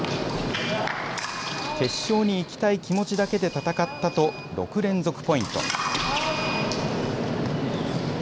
決勝に行きたい気持ちだけで戦ったと６連続ポイント。